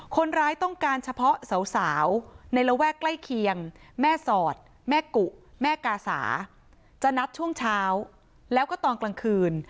คนร้ายต้องการเฉพาะสาวในระแวกใกล้เคียงแม่สอดแม่กุแม่กาสาจะนัดช่วงเช้าแล้วก็ตอนกลางคืน